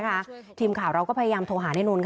ทีมข่าวเราก็พยายามโทรหานายนนท์ค่ะ